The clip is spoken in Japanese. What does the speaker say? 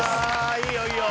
いいよいいよ！